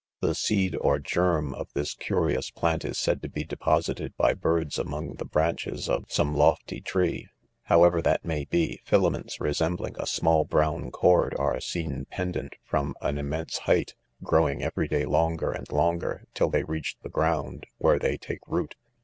The seed or germ of this curious plant, is said to be deposited by birds among the branches of some lofty tree* However that may be, filaments resembling a small brows cord are seen pendant from an immense height, growing every day longer and longer, till they reach the ground., where they take root.